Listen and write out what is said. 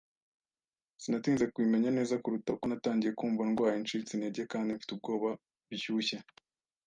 Sinatinze kubimenya neza kuruta uko natangiye kumva ndwaye, ncitse intege, kandi mfite ubwoba. Bishyushye